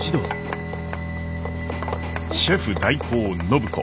シェフ代行暢子。